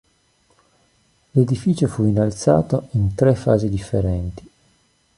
L'edificio fu innalzato in tre fasi differenti.